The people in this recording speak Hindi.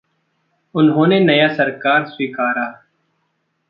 उन्होंने नया सरकार स्वीकारा।